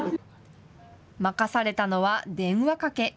任されたのは電話かけ。